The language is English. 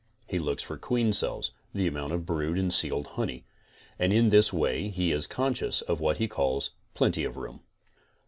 He looks for queen cells, the amount of brood and sealed honey, and in this way he is conscious of what he calls plenty of room.